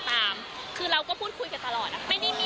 สำหรับเจนนี่คือไม่มีโอกาสพันธ์แน่นอนค่ะ